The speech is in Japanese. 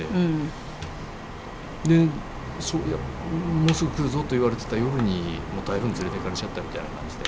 もうすぐ来るぞと言われてた夜に台風に連れていかれちゃったみたいな感じで。